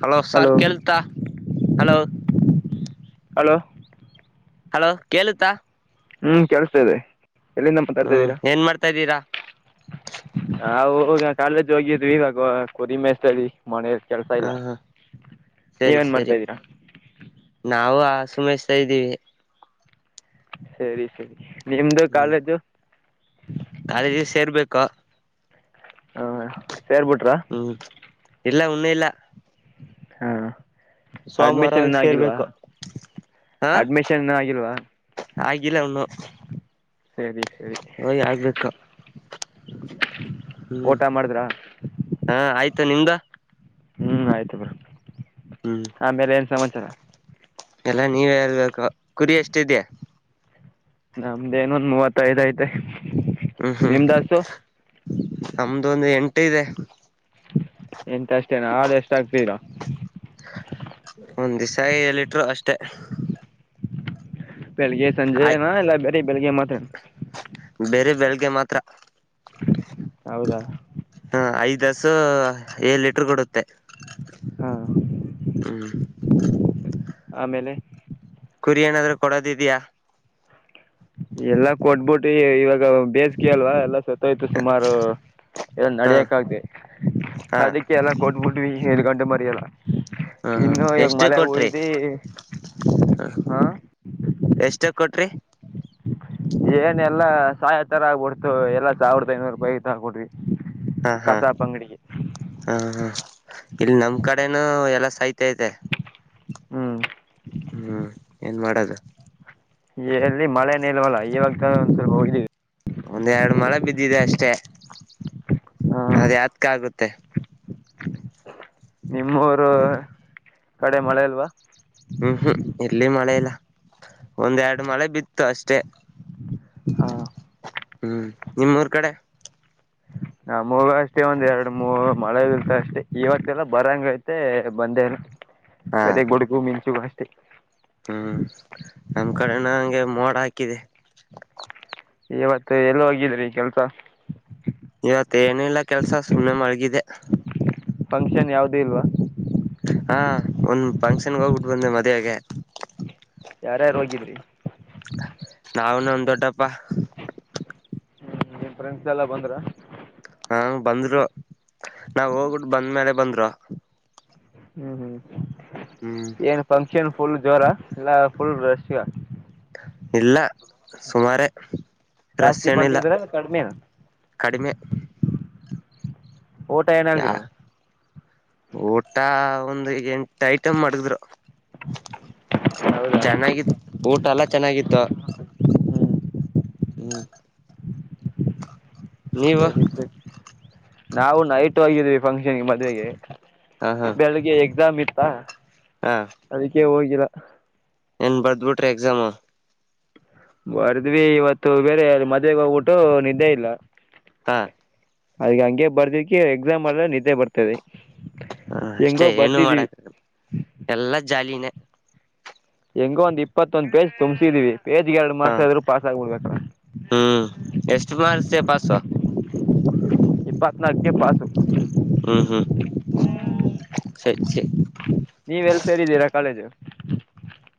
Hello sir ಕೇಳ್ತಾ hello hello hello ಕೇಳುತ್ತಾ ಹ್ಮ್ ಕೆಲ್ಸತ ಇದೆ ಎಲ್ಲಿಂದ ಹ್ಮ್ ಮಾತಾಡ್ತಾಿದ್ದೀರಾ ಏನ್ ಮಾಡ್ತಾ ಇದ್ದೀರಾ ನಾವು ಹಗ ಕಾಲೇಜ್ ಹೋಗಿದ್ರು ಇವಾಗ ಕೊರಿಮೆಸ್ತಳಿ ಹಾ ಹಾ ಸರಿ ನೀವೇನ್ ಮಾಡ್ತಾ ಸರಿ ಇದ್ದೀರಾ ನಾವು ಆ ಸುಮಸ್್ತಾ ಇದ್ದೀವಿ ಸರಿ ಸರಿ ನಿಮ್ದು ಹ್ಮ್ ಕಾಲೇಜು ಕಾಲೇಜಿಗೆ ಸೇರ್ಬೇಕಾ. ಹಾಂ ಸೇರ್ಬಿಟ್ರಾ ಹ್ಮ್ ಇಲ್ಲ. ಮುನ್ನೆಲ. ಹಾ. ಸೋಮವಾರ ಸೇರ್ಬೇಕು ಹಾ ಅಡ್ಮಿಷನ್ ಇನ್ನೂ ಆಗಿಲ್ವಾ ಆಗಿಲ್ಲ ಅವನು. ಸರಿ ಸರಿ ಹಯ ಆಗ್ಬೇಕ ಹ್ಮ್ ಊಟ ಮಾಡಿದ್ರಾ ಹಾ ಆಯ್ತಾ ನಿಮ್ದ. ಹ್ಮ್ ಆಯ್ತು ಬ್ರ. ಹ್ಮ್ ಆಮೇಲೆ ಏನ್ ಸಮಾಚಾರ. ಎಲ್ಲಾ ನೀವ ಯರ್ಬೇಕ ಕುರಿ ಎಷ್ಟಿದ್ಯಾ. ನಮ್ದೇನೊಂದ್ ಮೂವತ್ತ ಐದ್ ಐ್ತೆ. ಹ್ಮ್ ಹ್ಮ್. ನಮ್ದು ಒಂದು ಎಂಟ ಇದೆ. ಎಂತ ಅಷ್ಟ. ಆಾಡು ಎಷ್ಟಾಗಗ್ತೀರಾ. ಒಂದ್ ದಿವಿಸ ಎ ಇಟ್ರು ಅಷ್ಟೆ. ಹ. ಬೆಳಗ್ಗೆಜೆಏ ಎಲ್ಲ ಬೇರೆ ಬೆಳಗ್ಗೆ ಮತ್ತೆ. ಸ. ಬೇರೆ ಬೆಳಗ್ಗೆ ಮಾತ್ರ. ಹೌದಾ. ಐದ್ಸು ಏಳ್ ಲಿಟ್ರ ಕೊಡುತ್ತೆ. ಹಾಂ. ಹ್ಮ್ ಆಮೇಲೆ. ಕುರಿ ಏನಾದ್ರರು ಕೊಡೋದಿದ್ಯಾಾ. ಎಲ್ಲಾ ಕೊಡ್ಬಿಟ್ಟು ಇವಾಗ. ಬೇಸಗೆ ಅಲ್ವಾ ಎಲ್ಲ ಸತ್ತೋಯ್ತು ಸುಮಾರು ಇದ ಹ ನಡಿಯಕ್ ಆಗ್ತಿ ಹ ಅದಕ್ಕೆ ಎಲ್ಲ ಕೊಟ್ಬಿಡ್ವಿ. ಮರಲ್ಲ. ಹ್ಮ ಹ ಎಷ್ಟು ಕೊಟ್ರಿ ಹ. ಹಾಂ ಎಷ್ಟ ಕೊಟ್ರಿ. ಏನೆಲ್ಲ ಸಹಾಯ ತರ ಆಗ್ಬಿಡ್ತು ಎಲ್ಲಾ ಸಾವಿರದ ಐನೂರು ರೂಪಾಯಿಾಬಿಡ್ರಿ. ಹಾ ಹಾ ಹ್ಮ ಹಾ. ಇಲ್ಲಿ ನಮ್ ಕಡೆನು ಎಲ್ಲ ಸಹತ. ಹ್ಞೂ ಹ್ಮ್ಮ್. ಹ್ಮ್ ಏನ್ ಮಾಡದ. ಎಲ್ಲಿ ಮಳೆನ ಇಲ್ವಲ್ಲ ಇವಾಗ ಒಂದ್ವಲ್ಪ ಹೋಗಿದೀವಿ. ಒಂದ್ೆರಡು ಮಳೆ ಬಿದ್ದಿದೆ ಅಷ್ಟೆ. ಹಾಂ ಅದ ಯತ್ಕ ಆಗುತ್ತೆ. ತ್ತೆ ನಿಮ್ಮೂರು ಕಡೆ ಮಳೆ ಅಲ್ವಾ ಹ್ಮ್ ಹ್ಮ್ ಎಲ್ಲಿ ಮಳೆ ಇಲ್ಲ ಒಂದ್ೆರಡು ಮಳೆ ಬಿತ್ತು ಅಷ್ಟೆ ಹಾಂ ಹ್ಮ್ ನಿಮ್ಮೂರ್ ಕಡೆ ನ ಮಗ ಅಷ್ಟೇ ಒಂದ್ ಎರಡು ಮೂ ಮಳೆ ಬಕ್ಕ ಅಷ್ಟೇ ಇವತ್ತಲ್ಲ ಬರಂಗೈತೆ ಬಂದೇಲ್ಲ ಹಾ ಬೇರೆ ಗುಡುಕು ಮಿಂಚು ಹ್ಮ್. ಹ್ಮ್ ನಮ್ ಕಡೆ ನಂಗೆ ಮೋಡ ಹಾಕಿದೆ ಇವತ್ತು ಎಲ್ಲಿ ಹೋಗಿದ್ರಿ ಕೆಲ್ಸ ಇವತ್ತ ಏನಿಲ್ಲ ಕೆಲ್ಸ ಸುಮ್ಮನೆ ಮಳಗಿದೆ. ಫಂಕ್ಷನ್ ಯಾವ್ದೇ ಇಲ್ವಾ. ಹಾ ಒಂದ ಫಂಕ್ಷನ್ಗೆ ಹೋಗ್ಬಿಟ್ಟು ಬಂದೆ ಮದಾಗೆ. ಯಾರ್ಯಾರು ಹೋಗಿದ್ರಿ. ನವುನು ಒಂದ ದೊಡ್ಡಪ್ಪಾ. ಹ್ಮ್ ನಿಮ್ ಫ್ರೆಂಡ್ಸ್ ಎಲ್ಲ ಬಂದ್ರ. ಹಾ ಬಂದ್ರು ನಾವ ಹೋಗ್ಬಿಟ್ಟು ಬಂದ್ಮೇಲೆ ಬಂದ್ರು. ಹ್ಮ್ ಹ್ಮ್ ಹ್ಮ್ ಏನ್ ಫಂಕ್ಷನ್ ಫುಲ್ ಜ್ವರ. ಎಲ್ಲ ಫುಲ್ ್ರೆಶಾ. ಇಲ್ಲ ಸುಮಾರು. ಜಾಸ್ತಿ ಬಂದಿದ್ರ ಕಡಿಮೆ ಕಡಿಮೆ ಓಟ ಯಾ ಏನಲ್ರು ಊಟ ಒಂದ್ ಎಂಟ ಐಟಮ್ ಮಾಡಿದ್ರು ಹೌದಾ ಹ್ಮ್ ಚೆನ್ನಾಗಿತ್ತು ಊಟ ಎಲ್ಲ ಚೆನ್ನಾಗಿತ್ತು ಹ್ಮ್ ನೀವು ಸರಿ ಸರಿ ನಾವು ನೈಟ್ ಹೋಗಿದ್ವಿ ಫಂಕ್ಷನ್ಗೆ ಮದ್ವೆಗೆ ಹ ಹಾ ಬೆಳಿಗ್ಗೆ ಎಕ್ಸಾಮ್ ಇತ್ ಹಾ ಹಾ ಅದಕ್ಕೆೇ ಹೋಗಿಲ್ಲ ಏನ್ ಬರ್ದ್ ಬಿಟ್ರಿ ಎಕ್ಸಾಮ್ ಬರ್ದ್ವಿ ಇವತ್ತು ಬೇರೆ ಮದ್ವೆಗೆ ಹೋಗ್ಬಿಟ್ಟು ನಿದ್ದೆ ಇಲ್ಲ ಹಾ ಅದ ಹಂಗೆ ಬರ್ದಿಕ ಎಕ್ಸಾಮ್ ಅಲ್ಲೇ ನಿದ್ದೆ ಬರ್ತದೆ ಹ ಅಷ್ಟೇ ಏನು ಮಾಡಕ್ ಆಗಲ್ಲ ಎಲ್ಲಾ ಜಾಲಿನೇ ಹ್ಮ್ ಹೆಂಗೋ ಒಂದ್ ಇಪ್ಪತ್ತೊಂದ್ ಪೇಜ್ ತುಂಬ್ಸಿದಿವಿ ಪೇಜ್ಗೆ ಎರಡು ಹ ಮಾರ್ಸಾದ್ರು ಪಾಸ್ ಆಗಬಿಡ್ಬೇಕ್ರ ಹ್ಮ್ ಎಷ್ಟು ಮಾರ್ಕ್ಸ್ ಪಾಸು ಇಪ್ಪತ್ನಾಲ್ಕಗೆ ಪಾಸ್ ಹ್ಮ್ ಹ್ಮ್ ಹಾ ಸರಿ ಸರಿ ನೀವ ಎಲ್ ಸೇರಿದ್ದೀರಾ ಕಾಲೇಜು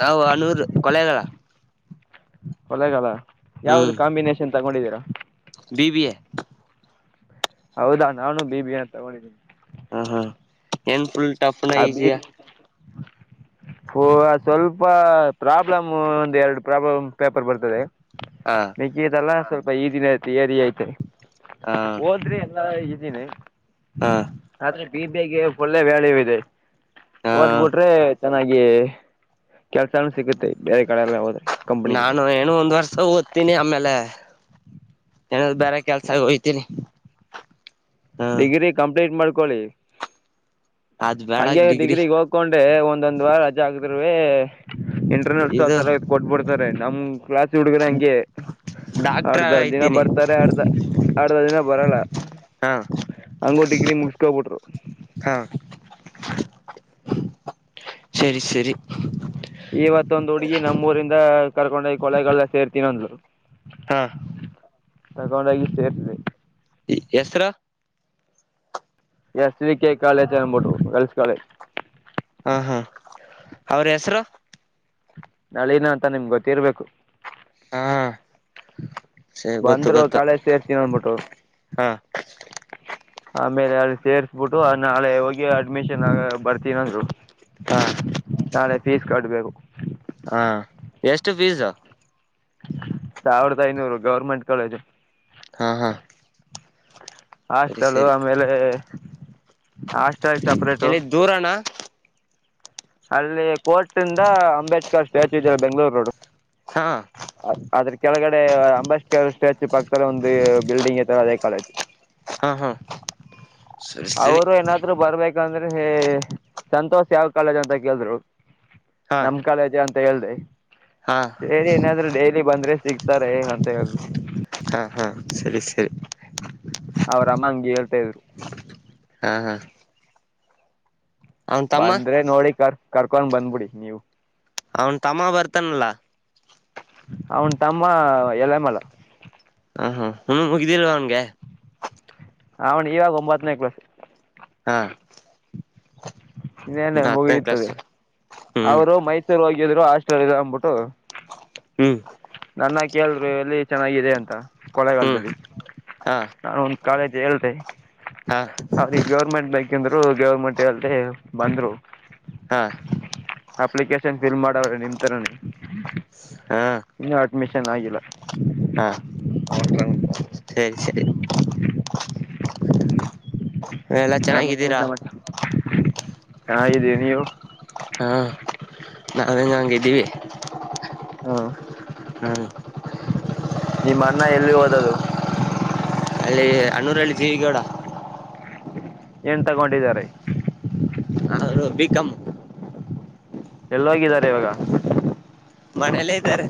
ನಾವು ಆನೂರ್ ಕೊಳ್ಳೆಗಾಲ ಕೊಳ್ಳೆಗಾಲ ಯಾವ್ದ ಹ್ಮ್ ಕಾಂಬಿನೇಷನ್ ತಗೊಂಡಿದ್ದೀರಾ ಬಿ ಬಿ ಎ ಹೌದಾ ನಾನು ಬಿ ಬಿ ಎ ತಗೊಂಡಿದ್ದೀನಿ ಹಾ ಹಾ ಏನ್ ಫುಲ್ ಟಫ್ನ ಈಜಿಯಾ ಹೋ ಸ್ವಲ್ಪ ಪ್ರಾಬ್ಲಮ್ ಒಂದ್ ಎರಡು ಪ್ರಾಬ್ಲಮ್ ಪೇಪರ್ ಬರ್ತದೆ ಹ ಮಿಕ್ಕಿದೆಲ್ಲ ಸ್ವಲ್ಪ್ ಈ ದಿನ ತೆಯತ್ ರಿ ಐತೆ ಹ ಓದ್ರೀ ಇದಿನಿ ಹ ಆದ್ರೆ ಬಿಬಗೆ ಒಫುಲ್ ವ್ಯಳಯೂ ಇದೆ ಹಾ ಓದ್ಬಿಟ್ರಿ ಚೆನ್ನಾಗಿ ಕೆಲ್ಸಾನು ಸಿಗುತ್ತೆ ಬೇರೆ ಕಡೆಲ್ಲ ಹೋದ್ರೆ ಕಂಪ್ನಿಗೆ ನಾನು ಏನು ಒಂದ್ ವರ್ಷ ಓದ್ತೀನಿ ಆಮ್ಯಕ್ ಬ್ಲಲೆ ಏನ ಬೇರೆ ಕೆಲ್ಸ ಹೋಗ್ತೀನಿ ಡಿಗ್ರಿ ಕಂಪ್ಲೀಟ್ ಮಾಡ್ಕೊಳ್ಳಿ ಅದ್ ಬೇಡಾಕ್ ಹಂಗೆ ಡಿಗ್ರಿ ಡಿಗ್ರಿಗ್ ಹೋಗ್ಕೊಂಡ್ರೆ ಒಂದೊಂದ್ ವಾರ ರಜಾ ಆಗಬೇಕ್ ನೋವೇ ಇಂಟರ್ನೆಟ್ಸ ಆ ಇದು ತರ ಕೊಟ್ಬಿಡ್ ಇದಾರೆ ನಮ್ ಕ್ಲಾಸ್ ದು ಹುಡ್ಗರ ಹಂಗೆ ಡಾಕ್ಟ್ರ ಅರ್ಧ ದಿನ ಐತೀನಿ ಬರ್ತಾರೆ ಅರ್ಧ ಅರ್ಧ ದಿನ ಬರಲ್ಲ ಹಾ ಹಂಗೊಟಗ್ರಿ ಮುಗಸ್ಕೋಬಿಟ್ರು ಹಾ ಸರಿ ಸರಿ ಇವತ್ತೊಂದು ಹುಡುಗಿ ನಮ್ಮೂಊರಿಂದ ಕರ್ಕೊಂಡೋಗಿ ಕೊಲೆಗಳಲ್ಲ ಸೇರ್ತೀನ ಅಂದ್ರು ಹಾ ತಗೊಂಡೋಗಿ ಸೇರ್ತವಿ ಹೆಸರು ಎಸ್ಡಿಕೆ ಕಾಲೇಜ್ ಅನ್ಬಿಟು ಗರ್ಲ್ಸ್ ಕಾಲೇಜ್ ಹಾಂ ಹಾಂ ಅವ್ರ್ ಹೆಸ್ರು ನಾಳಿನ ಅಂತ ನಿಮ್ಗೆ ಗೊತ್ತಿರ್ಬೇಕು. ಹಾ ಸರಿ ಗೊತ್ತು ಬಂದರು ಗೊತ್ತು ಕಳಜ್ ಸೇರ್ತೀನ ಅಂದಬಿಟ್ಟು ಹಾ ಹ ಆಮೇಲೆ ಅಲ್ಲಿ ಸೇರಿಸ್ಬಿಟ್ಟು ಆ ನಾಳೆ ಹೋಗಿ ಅಡ್ಮಿಷನ್ ಆಗ ಬರ್ತೀನಂದ್ರು ಹಾ ನಾಳೆ ಪೀಸ್ ಕಟ್ಬೇಕು ಹಾ ಎಷ್ಟು ಫೀಸು ಸಾವಿರದ ಐನೂರು ಗೌರ್ಮೆಂಟ್ ಕಾಲೇಜು ಹಾ ಹಾ ಸರಿ ಹಾಸ್ಟೆಲು ಸರಿ ಆಮೇಲೆ ಹಾಸ್ಟೆಲು ಸಪರೇಟು ಎಲ್ಲಿ ದೂರಣ ಅಲ್ಲಿ ಕೋರ್ಟಿಯಿಂದ ಅಂಬೇಡ್ಕರ್ ಸ್ಟ್ಯಾಚ್ಯುನ ಬೆಂಗ್ಗಳೂರು ರೋಡ್ ಹಾ ಆದ್ರ ಕೆಳಗಡೆ ಅಂಬಾಸ್ ಕೆ ಸ್ಟು ಪಾ ಈ ತರ ಒಂದು ಬಿಲ್ಡಿಂಗ್ ತರ ಅದೇ ಕಾಲೇಜ್ ಹಾ ಹಾ ಸರಿ ಸರಿ ಅವರು ಏನಾದ್ರು ಬರ್ಬೇಕು ಯಾಕಂದ್ರೆ ಸಂತೋಷ್ ಯಾವ್ ಕಾಲೇಜ್ ಅಂತ ಕೇಳಿದ್ರು ಹಾ ನಮ್ ಕಾಲೇಜು ಅಂತ ಹೇಳ್ದ ಹಾ ಸರಿ ಏನಾದ್ರು ಡೈಲಿ ಬಂದ್ರೆ ಸಿಗ್ತಾರೆ ಅಂತ ಹೇಳಿದ್ರು ಹಾ ಹಾ ಸರಿ ಸರಿ ಅವ್ರಮ್ಮಂಗಗೆ ಹೇಳ ತೇವರು ಹಾ ಹಾ ಅವನ್ ತಮ್ಮ ಬಂದ್ರೆ ನೋಡಿ ಕರ್ ಕರ್ಕೊಂಡ್ ಬಂದ್ಬಿಡಿ ನೀವು ಅವನ್ ತಮ್ಮಾ ಬರ್ತಾನಲ್ಲ ಅವನ್ ತಮ್ಮ ಎಲೆಮಳ ಹ ಹ ಹು ಮುಗಿದಿಲ್ವಾ ಅವನ್ಗೆ ಅವಣ ಇವಾಗ ಒಂಬತ್ತನೇ ಕ್ಲಸ ಹಾ ಇನ್ನೇನೆ ಹತ್ತನೇ ಕ್ಲಾಸ್ ಮುಗಿಯದೆ ಹ್ಮ್ ಅವರು ಮೈಸೂರು ಹೋಗಿ ಇವು ಆಾಸ್ಟ್ರಲ್ ಇ ಅಂದ್ಬಿಟ್ಟು ಹ್ಮ್ ನನ್ನ ಕೇಳರಿ ಎಲ್ಲಿ ಚೆನ್ನಾಗಿದೆ ಅಂತ ಹ್ಮ್ ಕೊಳೆಗಾಲದಲ್ಲಿ ಹಾ ನಾನ ಕಾಲೇಜ್ ಹೇಳ್ತೆ ಹಾ ಹೌದ ಗೌರ್ಮೆಂಟ್ ಬೈಕ್ಂತ ರು ಗೌರ್ಮೆಂಟ್ ಅತೆ ಬಂದ್ರು. ಹಾ. ಅಪ್ಲಿಕೇಶನ್ ಫಿಲ್ ಮಾಡವ್ರೆ ನಿಮಥರ. ಹಾ ಹ. ಮಿಷನ್ ಆಗಿಲ್ಲ ಹಾ ಸರಿ ಸರಿ. ಎಲ್ಲ ಚೆನ್ನಾಗಿದ್ದೀರಾ. ಹಾ ಇದೀ ನೀವು. ಹಾ ನಾವ ಹೆಂಗ ಹಂಗಿದ್ದೀವಿ. ಹಾಂ ಹ್ಮ್. ನಿಮ್ಮ ಅಣ್ಣ ಎಲ್ಲಿ ಓದದು. ಅಲ್ಲಿ ಅನುರಾಳಿ ಜಗೋಡ. ಏನ್ ತಗೊಂಡಿದಿದ್ದಾರೆ. ಹದು ಬಿಕಂಮ್ ಎಲ್ಲೋಗಿದ್ದಾರೆ ಇವಾಗ. ಮನೆಯಲ್ಲೇ ಇದ್ದಾರೆ.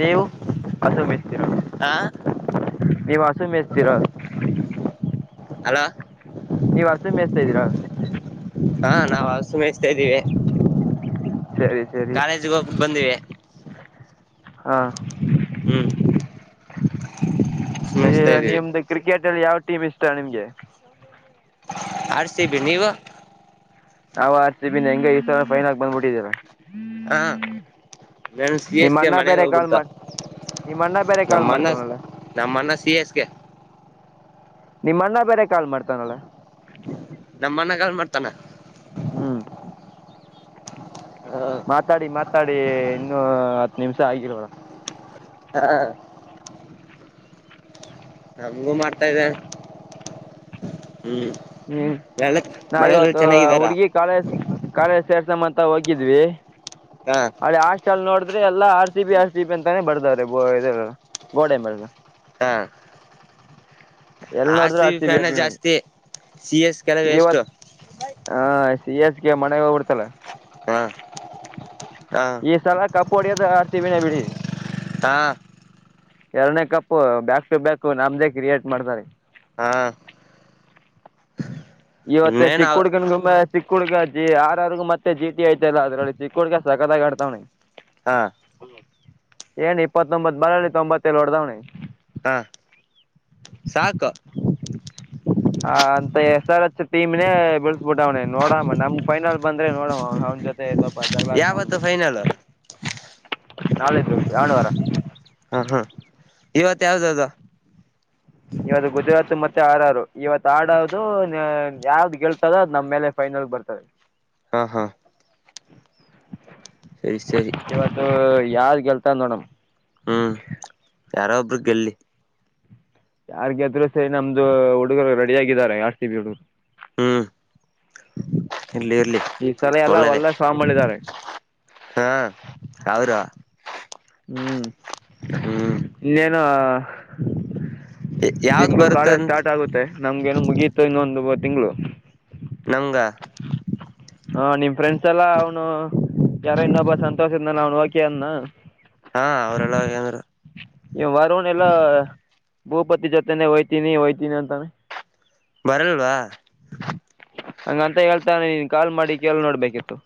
ನೀವು ಹಸು ಮಿಸ್ತೀರಾ ಹ. ನಿವಾಸು ಮೇಜತಿರ. ಹಲಾ. ನೀವ್ ಅರಸು ಮ ಎಸ್ತಾ ಇದೀರಾ. ಹಾ ನಾವವು ಸುಮಸ್್ತಾ ಇದ್ದೀವಿ. ಸರಿ ಕಾಲೇಜ್ಿಗೆ ಹೋಗಿ ಬಂದವಿ. ಹಾ. ಹ್ಮ್. ಇ ಮೇಯಿಸ್ತಾ ಇದ್ದೀವಿ ನಿಮ್ದು ಕ್ರಿಕೆಟ್. ಯಾವ್ ಟೀಮ್ ಇಷ್ಟ ನಿಮ್ಗೆ. ಆತೀ ಬಿಿ ನೀವು. ನಾವ್ ಆರ್ತ ಬಿನಿ ಹೆಂಗ ಈ ಸರ ಫೈನ ಆ ಬಂದ್ಬಿಟ್ಟಿದ್ದೀರಾ. ಹ ನನ್ ಸಿ ಎಸ್ ನಿಮ್ಮ ಕೆ ಅಣ್ಣ ಮನೆಗೆ ಬೇರೆ ಕಾಲ್ ಹೋಗ್ಬಿಡ್ತ ಮಾಡಿ ನಿಮ್ಮ ಅಣ್ಣ ಬೇರೆ ಕಾಲ್ ನಮ್ಮನ್ನ ಮಾಡ್ತಾವನಲ್ಲ ನಮ್ಮನ್ನ ಸಿ ಎಸ್ ಕೆ. ನಿಮ್ಮ ಅಣ್ಣ ಬೇರೆ ಕಾಲ್ ಮಾಡ್ತಾನಲ್ಲ. ನಮ್ಮನಾಗಲ್ ಮಾಡ್ತಾನ. ಹ್ಮ್ ಮಾತಾಡಿ ಮಾತಾಡಿ ಇನ್ನುೂ ಹತ್ತು ನಿಮಿಷ ಆಗಿಲ್ೋಳ. ಹಾ. ನಮಗೂ ಮಾಡ್ತಾ ಇದ್ದೇ. ಹ್ಮ್ ಎಲ್ಲ ನ ಮನೆಯಲ್ಲ ಇವತ್ತು ಚೆನ್ನಾಗಿದಾರ ಉಡ್ಗಿ ಕಳಜ. ಕಾಲೇಜ ಸೇರ್ಸಮ್ಮಂತ ಹೋಗಿದ್ವಿ. ಹಾ. ಅಲ್ಲಿ ಹಾಸ್ಟೆಲ್ ನೋಡಿದ್ರೆ ಎಲ್ಲಾ R C B R C B ಅಂತಾನೆ ಬರ್ದಾರೆ ಇದೆ ಗೋಡೆಂಬಲ್ ಹ ಎಲ್ ಆರ್ ನೋಡಿದ್ರು ಸಿ ಬಿ ಆರ್ತೀವಿ ಫ್ಯಾನ ಅಭಿಮಾನಿ ಜಾಸ್ತಿ ಸಿ ಎಸ್ ಕೆಲವೇ ಎಷ್ಟು ಇವತ್ತು ಹಾ ಸಿ ಎಸ್ಗೆ ಮನೆಗೆ ಹೋಗ್ಬಿಡ್ತಲ್ಲ ಹ ಹ ಈ ಸಲ ಕಪುಡಿಯದ ಆಡ್ತೀವಿಿನ ಬಿಡಿ ಹಾ ಎರನೇ ಕಪ್ು ಬ್ಯಾಕ್ ಟು ಬ್ಯಾಕ್ ನಮ್ದೇ ಕ್ರಿಯೇಟ್ ಮಾಡ್ತಾರೆ ಹಾ ಇವತ್ತ ನೇನ್ ಚಿಕ್ಕ ಹುಡ್ಕನ್ ಗುಂಬ ಚಿ ಹುಡುಗ ಜಿ ಆರ ಆರ್ಗ ಮತ್ತೆ ಜಿಟಿ ಐತ ಇಲ್ಲ ಅದರಲ್ಲಿ ಚಿಕ್ಕ ಹುಡ್ಗ ಸತಾಗಾಗಿ ಆಡ್ತಾವಣಿ ಹಾ ಏನ ಇಪ್ಪತ್ತೊಂಬತ್ ಬರಲಿಿ ತೊಂಬತ್ತೇಳು ಹೊಡದವನಿ ಹಾ ಸಾಕು ಹ ಅಂತ ಎಸ್ ಆರ್ ಎಚ್ ಟೀಮ್ ನೇ ಬೆಳಸ್ಬಿಟ್ಟ ಅವ್ನ ನೋಡಮ್ಮ ನಮ್ಗ್ ಫೈನಲ್ ಬಂದ್ರೆ ನೋಡ ಅವ ಅವ್ನ ಜೊತೆ ಸ್ವಲ್ಪ ಜಗಳ ಯಾವತ್ತು ಫೈನಲ್ ನಾಳೆದುು ಹಿ ಆಾನುವಾರ ಹಾ ಹ ಇವತ್ ಯಾವ್ದ ಅದು ಇವತ್ತು ಗುಜರಾತ್ ಮತ್ತೆ ಆರ್ಾರ ಇವತ್ ಆಡೋದು ಯಾವ್ದ ಗೆಲ್ತದೋ ಅದ್ ನಮ್ಮ ಮೇಲೆ ಫೈನಲ್ ಬರ್ತದೆ ಹಾ ಹಾ ಸರಿ ಸರಿ ಇವತ್ತು ಯಾರ ಗೆಲ್ತಾ ನೋಡಮ ಹ್ಮ್ ಯಾರೋ ಒಬ್ರು ಗೆಲ್ಲಿ ಯಾರ್ ಗೆದ್ರು ಸ ನಮ್ದು ಹುಡುಗರು ರೆಡಿಯಗಿದರೆ ಯಾರ್ತೀವಿ ಹುಡುಗರು ಇಲ್ಲಿ ಇರ್ಲಿ ಈ ಸಲ ಎಲ್ಲ ಒಳ್ಳೆದ ಒಳ್ಳೆ ಫಾರ್ಮಲ್ಲಿದ್ದಾರೆ ಹಾ ಅವ್ರ ಹ್ಮ್ ಹ್ಮ್ ಹ ಯಾವ್ದ್ ನಿಮ್ಗೂ ಕಾಳ ಬರುತ್ತಂತ ಸ್ಟಾರ್ಟ್ ಆಗುತ್ತೆ ನಮ್ಗೆ ಮುಗಿಯತ ಇನ್ನೊಂದು ತಿಂಗಳು ನಂಗ ಹಾ ನಿಮ್ ಫ್ರೆಂಡ್ಸ್ ಎಲ್ಲಾ ಅವ್ನು ಯಾರೋ ಇನ್ನೊಬ್ಬ ಸಂತೋಷ ಇದನಾನ ಅವ್ನು ಓಕಿ ಅನ್ನ ಹಾ ಅವರೆಲ್ಲ ಹೋಗ್ಯಾದ್ರು ವರೋ ಎಲ್ಲಾ ಭೂಪತಿ ಜೊತೆನೆೇ ಹೊಯ್ತೀನಿ ಹೊಯ್ತೀನಿ ಅಂತಾನೆ ಬರಲ್ವಾ ಹಂಗಂತ ಹೇಳ್ತಾನೆ ನೀನ್ ಕಾಲ್ ಮಾಡಿ ಕೇಳಳ್ ನೋಡ್ಬೇಕಿತ್ತು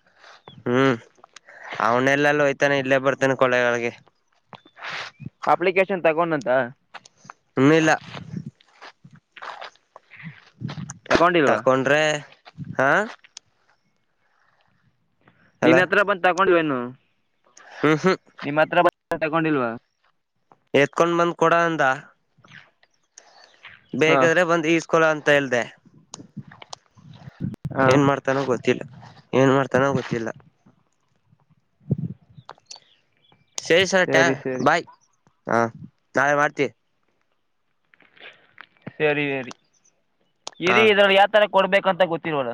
ಹ್ಮ್ ಅವನೆಲ್ಲಲ್ಲ ಹೋಯ್ತಾನೆ ಇಲ್ಲೇ ಬರ್ತಾನ ಕೊಲೆಗಳಿಗೆ ಅಪ್ಲಿಕೇಶನ್ ತಗೊಂಡಂತ ಇನ್ನು ಇಲ್ಲ ಆ ತಕೊಂಡ್ರೆ ಹಾ ಅಲ ನಿನ್ ಹತ್ರ ಬಂದ ತಕೊಂಡ್ವೇನು ಹಾ ಹ್ಮ್ ಹ್ಮ್ ತಗೊಂಡಿಲ್ವಾ ಎತ್ಕೊಂಡ್ ಬಂದ್ ಕೊಡ ಅಂದ ಹಾ ಬೇಕಾದ್ರೆ ಬಂದ್ ಇಷ್ಟ ಕೊಳ ಅಂತ ಹೇಳ್ದ ಹಾ ಏನ್ ಮಾಡ್ತಾನೋ ಗೊತ್ತಿಲ್ಲ ಏನ್ ಮಾಡ್ತಾನೋ ಗೊತ್ತಿಲ್ಲ ಸರಿ ಸರ್ಟ್ಯಾ ಬಾಯ್ ಹಾ ನಾಳೆ ಮಾಡ್ತ ಸರಿ ಸರಿ ಇರೀ ಹಾ ಇ ಯಾಕ್ ತರ ಕೊಡ್ಬೇಕಂತ ಗೊತ್ತಿರೋರ